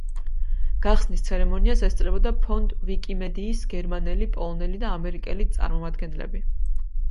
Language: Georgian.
გახსნის ცერემონიას ესწრებოდა ფონდ ვიკიმედიის გერმანელი, პოლონელი და ამერიკელი წარმომადგენლები.